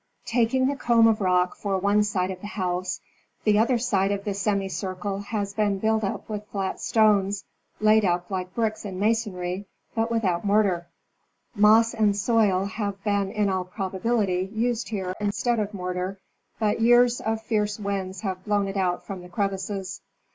Taking the comb of rock 180 National Geographic Magazine. for one side of the house, the other side of the semicircle has been built up with flat stones, laid up like bricks in masonry, but without mortar. Moss and soil have been in all probability used here instead of mortar, but years of fierce winds have blown it out from the crevices.